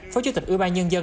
phó chủ tịch ưu ba nhân dân